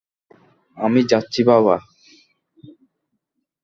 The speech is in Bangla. আমি যাচ্ছি, বাবা।